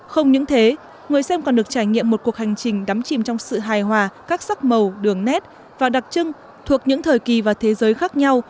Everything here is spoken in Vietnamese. không những thế người xem còn được trải nghiệm một cuộc hành trình đắm chìm trong sự hài hòa các sắc màu đường nét và đặc trưng thuộc những thời kỳ và thế giới khác nhau